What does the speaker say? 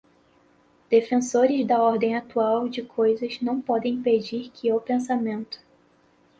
defensores da ordem atual de coisas não podem impedir que o pensamento